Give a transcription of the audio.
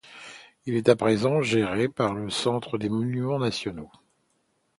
Il est à présent géré par le centre des monuments nationaux.